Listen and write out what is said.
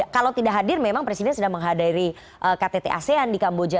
kalau tidak hadir memang presiden sedang menghadiri ktt asean di kamboja